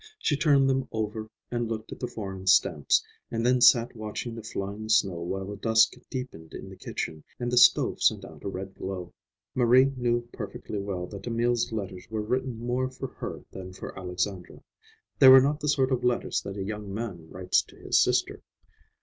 She turned them over and looked at the foreign stamps, and then sat watching the flying snow while the dusk deepened in the kitchen and the stove sent out a red glow. Marie knew perfectly well that Emil's letters were written more for her than for Alexandra. They were not the sort of letters that a young man writes to his sister.